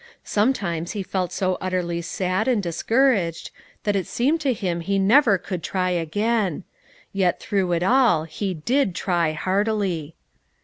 Sometimes he felt so utterly sad and discouraged, that it seemed to him he never could try again; yet through it all he did try heartily.